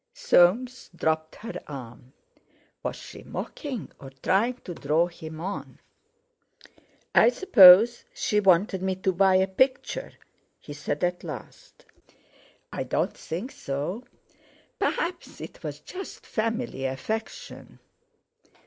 Soames dropped her arm. Was she mocking, or trying to draw him on? "I suppose she wanted me to buy a picture," he said at last. "I don't think so. Perhaps it was just family affection."